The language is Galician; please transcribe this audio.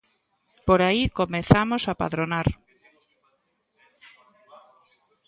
Por aí comezamos a padronar.